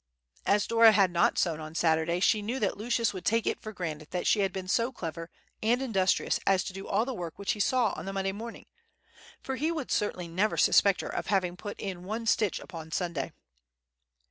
As Dora had not sewn on Saturday, she knew that Lucius would take it for granted that she had been so clever and industrious as to do all the work which he saw on the Monday morning, for he would certainly never suspect her of having put in one stitch upon Sunday.